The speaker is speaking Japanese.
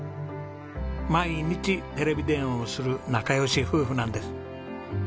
毎日テレビ電話をする仲良し夫婦なんです。